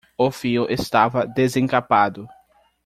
O fio estava desemcapado